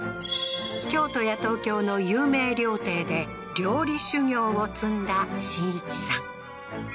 京都や東京の有名料亭で料理修行を積んだ心一さん